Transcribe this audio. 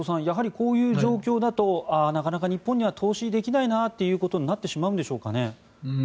やはりこういう状況だとなかなか日本には投資できないなということになってしまうんでしょうか？